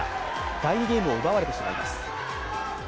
第２ゲームを奪われてしまいます。